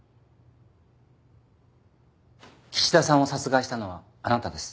岸田さんを殺害したのはあなたです。